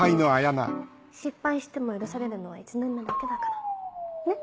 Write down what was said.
失敗しても許されるのは１年目だけだからねっ？